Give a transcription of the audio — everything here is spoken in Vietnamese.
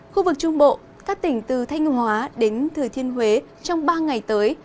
khu vực trung bộ các tỉnh từ thanh hóa đến thừa thiên huế trong ba ngày tới